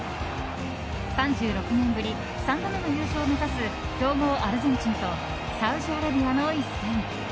３６年ぶり３度目の優勝を目指す強豪アルゼンチンとサウジアラビアの一戦。